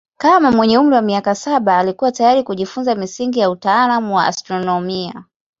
Kama mwenye umri wa miaka saba alikuwa tayari kujifunza misingi ya utaalamu wa astronomia.